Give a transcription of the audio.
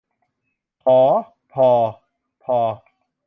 ผอ พอ ภอ